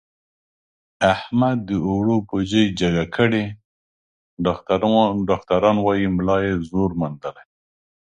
احمد د اوړو بوجۍ جګه کړې، ډاکټران وایي ملا یې زور موندلی.